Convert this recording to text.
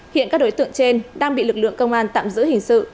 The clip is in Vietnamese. hiện các đối tượng trên đang bị lực lượng công an tạm giữ hình sự